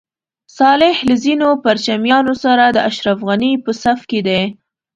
صالح له ځینو پرچمیانو سره د اشرف غني په صف کې دی.